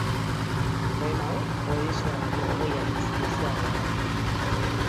Poema hau Odisea baino hogei aldiz luzeagoa da.